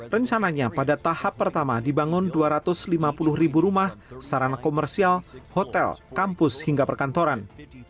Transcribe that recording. rencananya pada tahap pertama dibangun dua ratus lima puluh ribu rumah sarana komersial hotel kampus hingga perkantoran